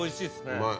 うまい。